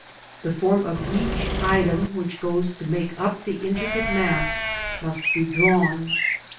The form of each item which goes to make up the intricate mass must be drawn.